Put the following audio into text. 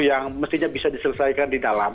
yang mestinya bisa diselesaikan di dalam